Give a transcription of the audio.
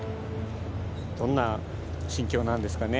どんな心境なんですかね？